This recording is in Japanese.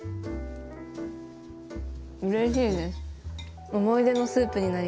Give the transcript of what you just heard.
うれしいです。